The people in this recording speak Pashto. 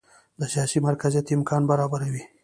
د سیاسي مرکزیت امکان برابروي.